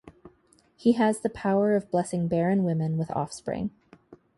He has the power of blessing barren women with offspring.